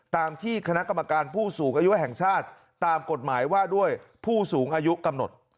ตามที่คณะกรรมการผู้สูงอายุแห่งชาติตามกฎหมายว่าด้วยผู้สูงอายุกำหนด